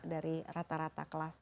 dari rata rata kelas